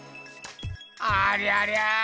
ありゃりゃ！